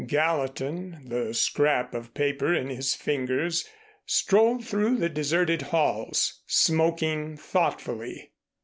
Gallatin, the scrap of paper in his fingers, strolled through the deserted halls, smoking thoughtfully.